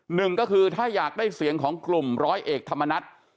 หนึ่งก็คือถ้าอยากได้เสียงของกลุ่มร้อยเอกธรรมนัฐ